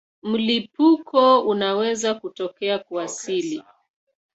Mlipuko unaweza kutokea kwa asili.